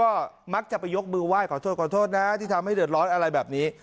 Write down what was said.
ก็มักจะไปยกมือไหว้ขอโทษขอโทษนะที่ทำให้เดือดร้อนอะไรแบบนี้